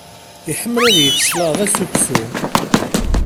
Iḥemmel ad yečč cclaḍa s uksum.